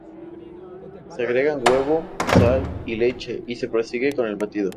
Se agregan huevo, sal y leche y se prosigue con el batido.